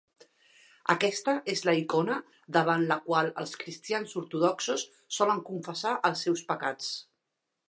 Aquesta és la icona davant la qual els cristians ortodoxos solen confessar els seus pecats.